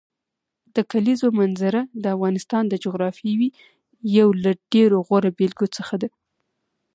د کلیزو منظره د افغانستان د جغرافیې یو له ډېرو غوره بېلګو څخه ده.